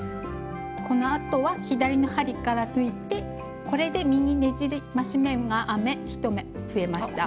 このあとは左の針から抜いてこれで「右ねじり増し目」が編め１目増えました。